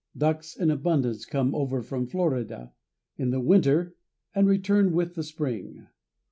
Ducks in abundance come over from Florida in the winter and return with the spring.